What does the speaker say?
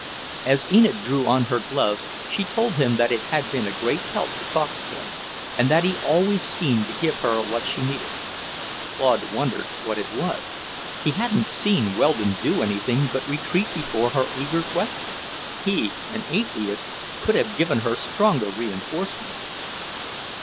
As Enid drew on her gloves she told him that it had been a great help to talk to him, and that he always seemed to give her what she needed. Claude wondered what it was. He hadn't seen Weldon do anything but retreat before her eager questions. He, an "atheist," could have given her stronger reinforcement.